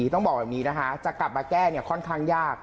ต้องบอกแบบนี้นะคะจะกลับมาแก้ค่อนข้างยาก